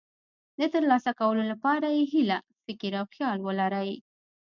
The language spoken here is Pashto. د ترلاسه کولو لپاره یې هیله، فکر او خیال ولرئ.